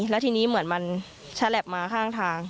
แล้วทีนี้เหมือนมันฉลับมาข้างทาง